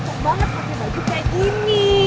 lo cocok banget pake baju kayak gini